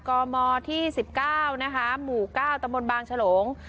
กมที่สิบเก้านะฮะหมู่เก้าตระบวนบางฉลง